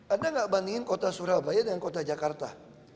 anda nggak bandingin kota surabaya dengan kota jakarta